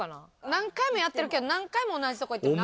何回もやってるけど何回も同じとこ行ってる。